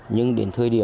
nhưng đến thời điểm